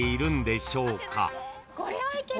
これはいける。